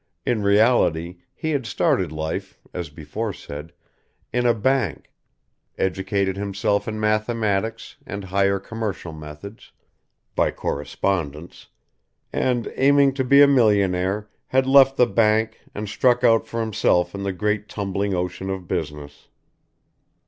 In reality, he had started life, as before said, in a bank, educated himself in mathematics and higher commercial methods, by correspondence, and, aiming to be a millionaire, had left the bank and struck out for himself in the great tumbling ocean of business.